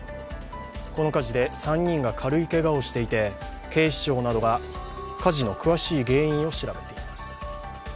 この火事で３人が軽いけがをしていて警視庁などが火事の詳しい原因を調べています。